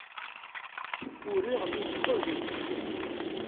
Uriɣ nnig n wagim n tefyar.